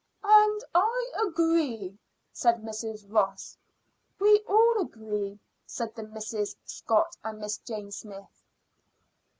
"And I agree," said Mrs. Ross. "We all agree," said the Misses Scott and Miss Jane Smyth.